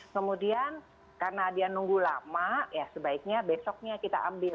kemudian karena dia nunggu lama ya sebaiknya besoknya kita ambil